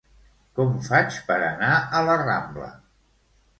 Com faig per anar a la Rambla?